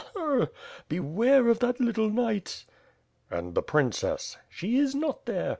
hur! hur! Beware of that little knight." ^^And the princess?" "She is not there.